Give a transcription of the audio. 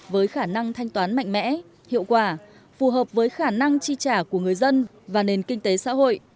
với khả năng thanh toán mạnh mẽ hiệu quả phù hợp với khả năng chi trả của người dân và nền kinh tế xã hội